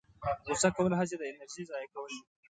غوسه کول هسې د انرژۍ ضایع کول دي.